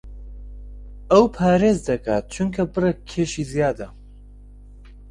ئەو پارێز دەکات چونکە بڕێک کێشی زیادە.